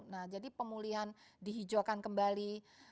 nah jadi pemulihan dihijaukan kembali